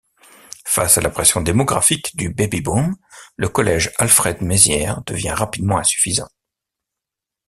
Face à la pression démographique du baby-boom, le collège Alfred-Mézières devient rapidement insuffisant.